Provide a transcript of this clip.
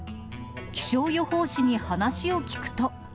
気象予報士に話を聞くと。